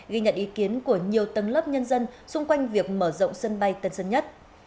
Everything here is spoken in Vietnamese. ghi nhận ý kiến của nhiều tầng lớp nhân dân xung quanh việc mở rộng sân bay tân sơn nhất